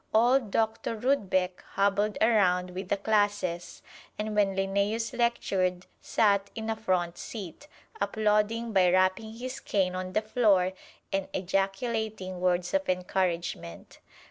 Old Doctor Rudbeck hobbled around with the classes, and when Linnæus lectured sat in a front seat, applauding by rapping his cane on the floor and ejaculating words of encouragement.